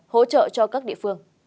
hỗ trợ cho các địa phương